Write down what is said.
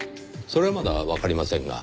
それはまだわかりませんが。